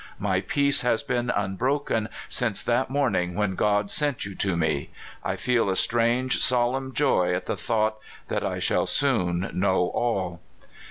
My peace has been unbroken since that morning when God sent you to me. I feel a strange, solemn joy at the thought that I shall soon know all."